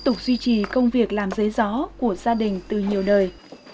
tục chỉ công việc làm giấy gió của gia đình từ nhiều đời